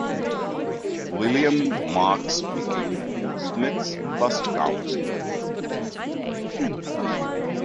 William Marks became Smith's First Counselor.